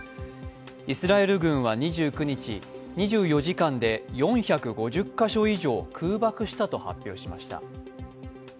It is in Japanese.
イスラエル軍は２９日、２４時間で４５０か所以上空爆したと発表しました。